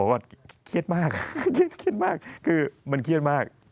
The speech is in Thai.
ว่าเครียดมากเครียดมากคือมันเครียดมาก